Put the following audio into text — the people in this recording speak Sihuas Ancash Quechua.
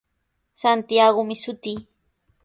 Santiagomi shutii.